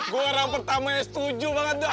gue orang pertamanya setuju banget dok